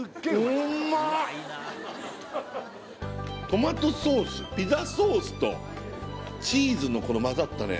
トマトソースピザソースとチーズのこの混ざったね